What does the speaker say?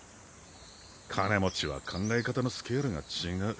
金持ちは考え方のスケールが違う。